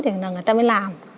thì người ta mới làm